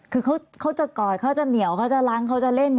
คือเขาจะกอดเขาจะเหนียวเขาจะล้างเขาจะเล่น